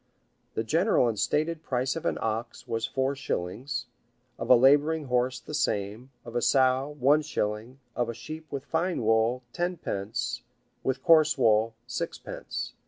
The general and stated price of an ox was four shillings; of a laboring horse, the same; of a sow, one shilling; of a sheep with fine wool, tenpence with coarse wool, sixpence.